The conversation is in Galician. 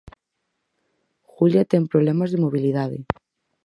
Julia ten problemas de mobilidade.